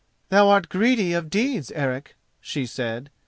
"Thou art greedy of deeds, Eric," she said.